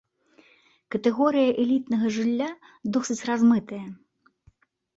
Катэгорыя элітнага жылля досыць размытая.